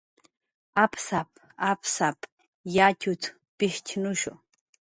"Apsap"" apsap"" yatxut"" pijchnushu"